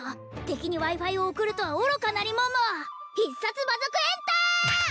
敵にＷｉ−Ｆｉを送るとは愚かなり桃必殺魔族エンター！